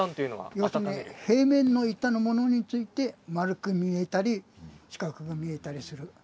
要するに平面の板のものについて丸く見えたり四角く見えたりする。